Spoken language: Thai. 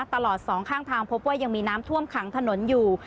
สองข้างทางพบว่ายังมีน้ำท่วมขังถนนอยู่